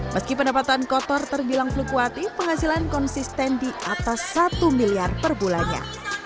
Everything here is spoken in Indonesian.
meski pendapatan kotor terbilang fluktuatif penghasilan konsisten di atas satu miliar per bulannya